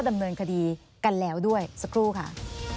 ดำเนินคดีกันแล้วด้วยสักครู่ค่ะ